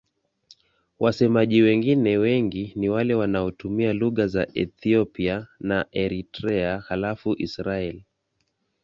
Wasemaji wengine wengi ni wale wanaotumia lugha za Ethiopia na Eritrea halafu Israel.